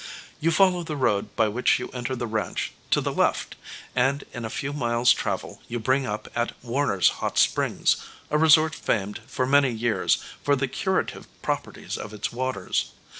You follow the road by which you enter the ranch, to the left, and in a few miles' travel you bring up at Warner's Hot Springs, a resort famed for many years for the curative properties of its waters.